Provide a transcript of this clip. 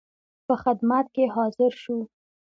په خدمت کې حاضر شو.